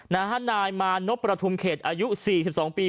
นาฮันด์นายมานพรธุมเขตอายุ๔๒ปี